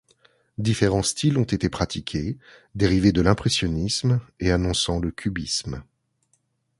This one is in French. Différents styles ont été pratiqués, dérivés de l’impressionnisme et annonçant le cubisme.